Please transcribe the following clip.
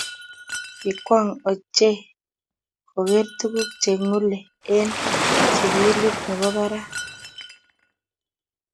Kikwong oche koger tukuk che ngulei eng sukulit ne bo barak